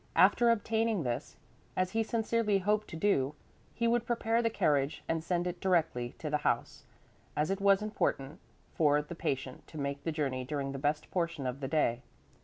After obtaining this, as he sincerely hoped to do, he would prepare the carriage and send it directly to the house, as it was important for the patient to make the journey during the best portion of the day.